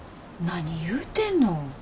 何言うてんの。